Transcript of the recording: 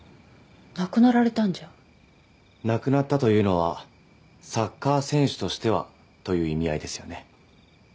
亡くなられたんじゃ亡くなったというのはサッカー選手としてはという意味合いですよね？